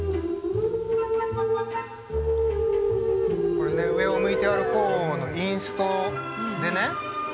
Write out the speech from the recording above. これね「上を向いて歩こう」のインストでね